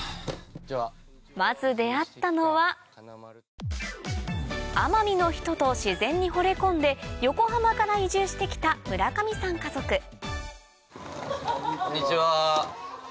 まず出会ったのは奄美の人と自然に惚れ込んで横浜から移住して来たこんにちは。